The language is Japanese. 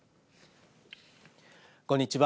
こんにちは。